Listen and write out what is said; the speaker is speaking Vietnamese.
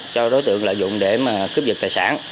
cho đối tượng lợi dụng để cướp dựt tài sản